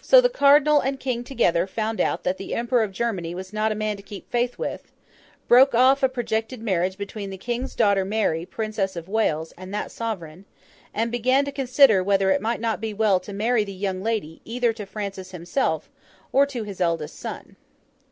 So the Cardinal and King together found out that the Emperor of Germany was not a man to keep faith with; broke off a projected marriage between the King's daughter Mary, Princess of Wales, and that sovereign; and began to consider whether it might not be well to marry the young lady, either to Francis himself, or to his eldest son.